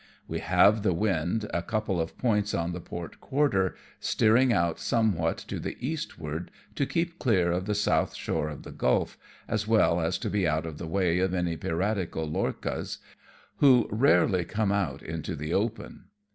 We have the wind a couple of points on the port quarter, steering out somewhat to the eastward to keep clear of the south shore of the gulf, as well as to be out of the way of any piratical lorchas, who rarely come out into the open.